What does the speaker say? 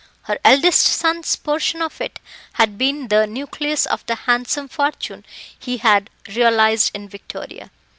Her eldest son's portion of it had been the nucleus of the handsome fortune he had realised in Victoria.